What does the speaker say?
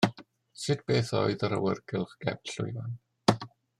Sut beth oedd yr awyrgylch gefn llwyfan?